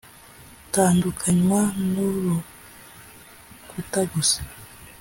tandukanywa n urukuta gusa